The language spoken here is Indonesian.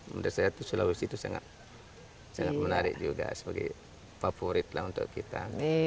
menurut saya sulawesi itu sangat menarik juga sebagai favorit untuk kita